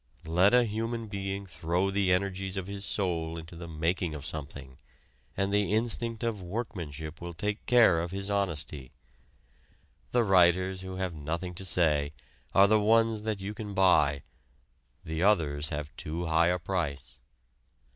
Let a human being throw the energies of his soul into the making of something, and the instinct of workmanship will take care of his honesty. The writers who have nothing to say are the ones that you can buy: the others have too high a price.